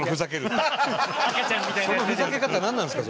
そのふざけ方なんなんですか。